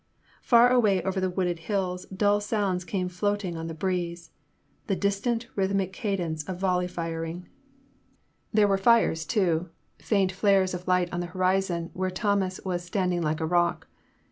Far away over the wooded hills dull sounds came floating on the breeze, the distant rhythmic cadence of volley firing. There In the Name of the Most High. 2 1 7 were fires too, faint flares of light on the horizon where Thomas was standing like a rock."